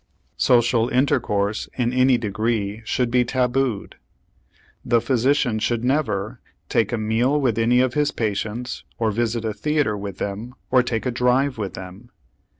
Social intercourse in any degree should be tabooed. The physician should never take a meal with any of his patients, or visit a theater with them, or take a drive with them.